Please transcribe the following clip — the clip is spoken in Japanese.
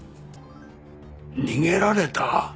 逃げられた？